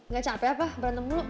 gak capek apa berantem dulu